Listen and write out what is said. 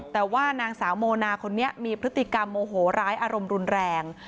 แต่ว่านางสาวโมนาคนนี้มีพฤติกรรมโมโหร้ายอารมณ์รุนแรง